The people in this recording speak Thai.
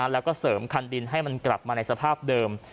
แล้วก็เสริมคันดินให้มันกลับมาในสภาพเดิม